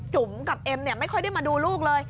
จุ๋มกับเอ็มไม่ค่อยได้มาดูลูกเลย